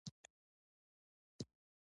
په دې شپه کور ته نږدې بمي چاودنه وشوه.